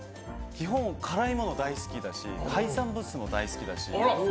基本、辛いもの大好きだし海産物も大好きだし。